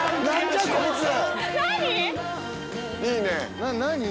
何⁉いいね！